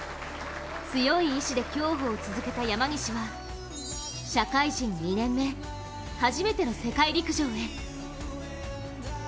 強い意志で競歩を続けた山西は社会人２年目、初めての世界陸上へ。